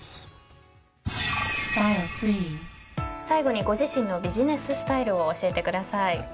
最後にご自身のビジネススタイルを教えてください。